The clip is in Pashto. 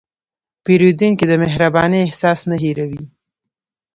پیرودونکی د مهربانۍ احساس نه هېروي.